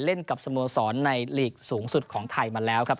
เล่นกับสโมสรในลีกสูงสุดของไทยมาแล้วครับ